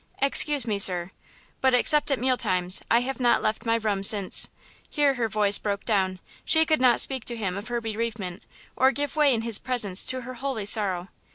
"Excuse me, sir; but, except at meal times, I have not left my room since"–here her voice broke down; she could not speak to him of her bereavement, or give way in his presence to her holy sorrow.